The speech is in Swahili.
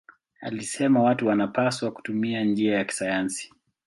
Alisema watu wanapaswa kutumia njia ya kisayansi.